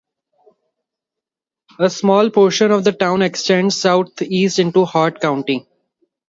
A small portion of the town extends southeast into Hart County.